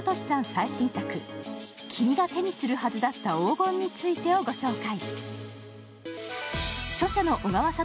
最新作、「君が手にするはずだった黄金について」をご紹介。